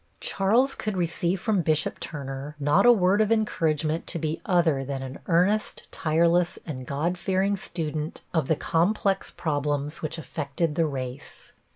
Charles could receive from Bishop Turner not a word of encouragement to be other than an earnest, tireless and God fearing student of the complex problems which affected the race.